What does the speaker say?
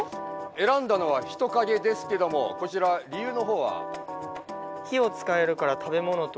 選んだのはヒトカゲですけどもこちら理由の方は？